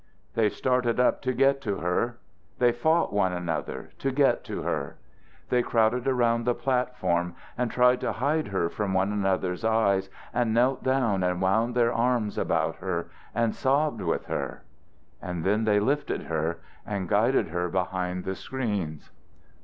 They started up to get to her. They fought one another to get to her. They crowded around the platform, and tried to hide her from one another's eyes, and knelt down, and wound their arms about her, and sobbed with her; and then they lifted her and guided her behind the screens.